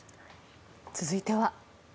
続いては。